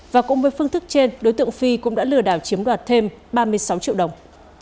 và cũng với phương thức trên đối tượng phi cũng đã lừa đảo chiếm đoạt thêm ba mươi sáu triệu đồng